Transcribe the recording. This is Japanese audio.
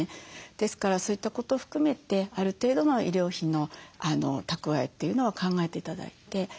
ですからそういったことを含めてある程度の医療費の蓄えというのを考えて頂いて。